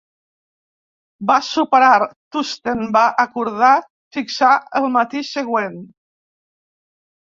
Va superar, Tusten va acordar fixar el matí següent.